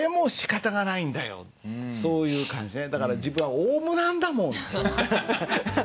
だから「自分はオウムなんだもん」。ハハハハ！